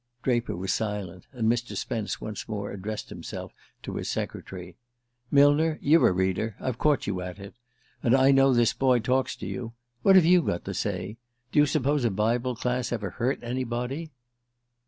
Draper was silent, and Mr. Spence once more addressed himself to his secretary. "Millner, you're a reader: I've caught you at it. And I know this boy talks to you. What have you got to say? Do you suppose a Bible Class ever hurt anybody?"